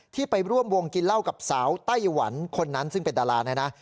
ที่ไปร่วมวงกินเหล้ากับสาวไต้หวันคนนั้นซึ่งเป็นดาราเนี่ยนะ